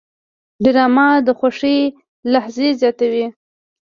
ډرامه د خوښۍ لحظې زیاتوي